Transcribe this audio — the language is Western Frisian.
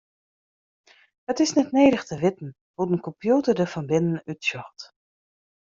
It is net nedich te witten hoe't in kompjûter der fan binnen útsjocht.